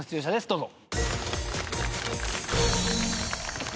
どうぞ。